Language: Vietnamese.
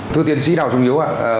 thưa tiến sĩ đào trung yếu ạ